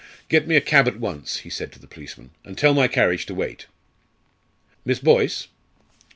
"Get me a cab at once," he said to the policeman, "and tell my carriage to wait." "Miss Boyce!"